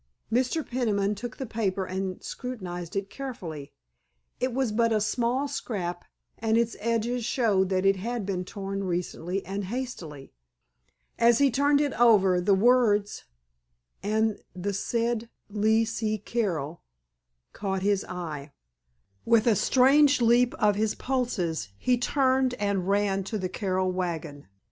Mr. Peniman took the paper and scrutinized it carefully. It was but a small scrap, and its edges showed that it had been torn recently and hastily. As he turned it over the words: "and the said Lee C. Carroll——" caught his eye. With a strange leap of his pulses he turned and ran to the Carroll wagon.